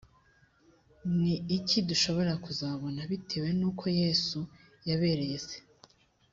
ni iki dushobora kuzabona bitewe n uko yesu yabereye se